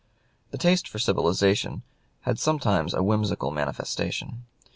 The taste for civilization had sometimes a whimsical manifestation.